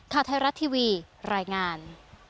ข่าวไทยรัฐทีวีรายงาน